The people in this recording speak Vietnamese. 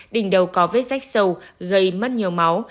đỉnh đầu có vết rách sâu gây mất nhiều máu